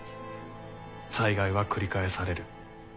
災害は繰り返される。